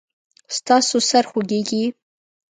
ستاسو سر خوږیږي؟